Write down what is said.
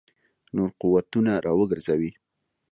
نور قوتونه را وګرځوي.